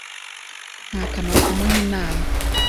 Nta kamaro kumuha inama.